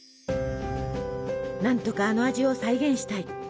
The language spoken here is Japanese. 何とかあの味を再現したい。